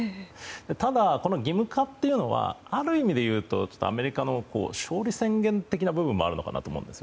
ただ、義務化というのはある意味で言うとアメリカの勝利宣言的なところもあるのかなと思うんです。